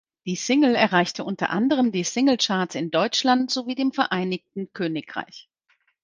Die Single erreichte unter anderem die Singlecharts in Deutschland sowie dem Vereinigten Königreich.